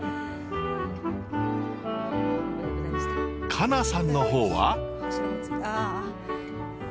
佳奈さんの方は？